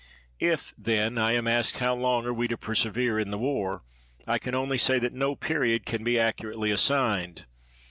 If, then, I am asked how long are we to per severe in the war, I can only say that no period can be accurately assigned.